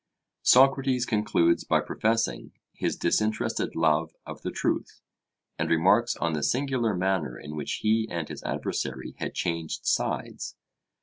Socrates concludes by professing his disinterested love of the truth, and remarks on the singular manner in which he and his adversary had changed sides.